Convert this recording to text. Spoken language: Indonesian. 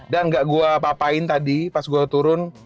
dan gak gue apa apain tadi pas gue turun